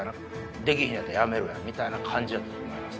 できへんやったらやめろやみたいな感じだったと思います。